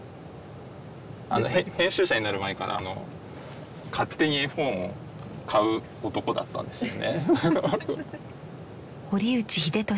編集者になる前から勝手に絵本を買う男だったんですよね。